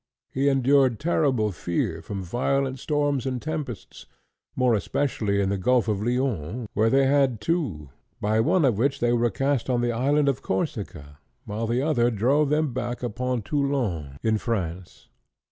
He endured terrible fear from violent storms and tempests, more especially in the Gulf of Lyons, where they had two, by one of which they were cast on the Island of Corsica, while the other drove them back upon Toulon, in France.